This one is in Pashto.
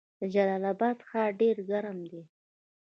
د جلال اباد ښار ډیر ګرم دی